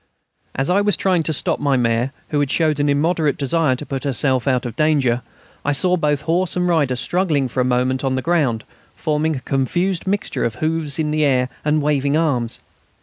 As I was trying to stop my mare, who showed an immoderate desire to put herself out of danger, I saw both horse and rider struggling for a moment on the ground, forming a confused mixture of hoofs in the air and waving arms.